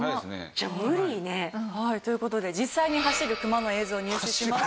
じゃあ無理ね。という事で実際に走るクマの映像を入手しました。